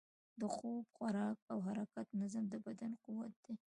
د خوب، خوراک او حرکت نظم، د بدن قوت دی.